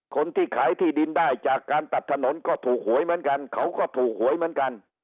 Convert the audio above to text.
คนที่ขายที่ดินได้จากการตัดถนนก็ถูกหวยเหมือนกันเขาก็ถูกหวยเหมือนกัน